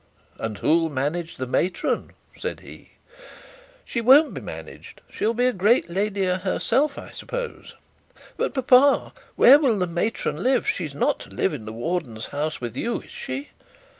'And who'll manage the matron?' said he. 'She won't want to be managed. She'll be a great lady herself, I suppose. But, papa, where will the matron live? She is not to live in the warden's house with you, is she?'